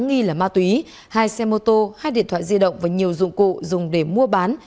nghi là ma túy hai xe mô tô hai điện thoại di động và nhiều dụng cụ dùng để mua bán